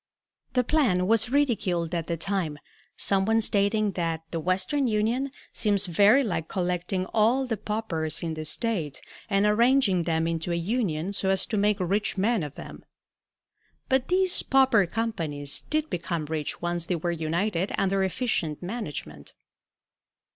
The plan was ridiculed at the time, some one stating that "The Western Union seems very like collecting all the paupers in the State and arranging them into a union so as to make rich men of them." But these pauper companies did become rich once they were united under efficient management.